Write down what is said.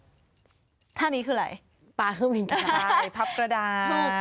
เจ้านี้คือไรปลาเครื่องบินกับหลายผับกระดาษ